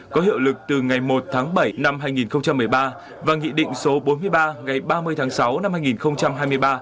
có hiệu lực từ ngày một tháng bảy năm hai nghìn một mươi ba và nghị định số bốn mươi ba ngày ba mươi tháng sáu năm hai nghìn hai mươi ba